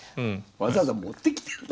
わざわざ持ってきてる。